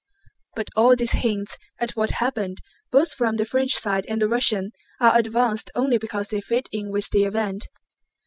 But all these hints at what happened, both from the French side and the Russian, are advanced only because they fit in with the event.